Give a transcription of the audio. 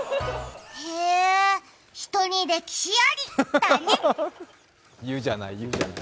へえ、人に歴史ありだね。